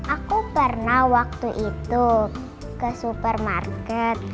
aku pernah waktu itu ke supermarket